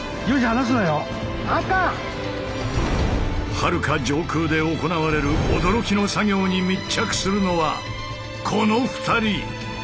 はるか上空で行われる驚きの作業に密着するのはこの２人。